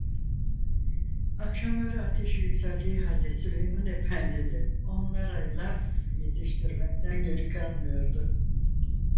Akşamları ateşi yükseldiği halde Süleyman Efendi de onlara laf yetiştirmekten geri kalmıyordu.